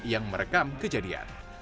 yang merekam kejadian